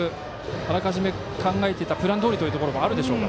あらかじめ考えていたプランどおりというのもありますか。